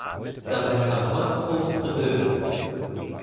Dabei kam Posthof zu Böhmen.